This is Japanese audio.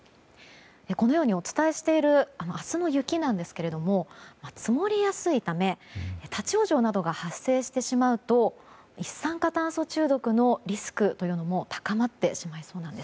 このようにお伝えしている明日の雪なんですが積もりやすいため立ち往生などが発生してしまうと一酸化炭素中毒のリスクも高まってしまいそうなんです。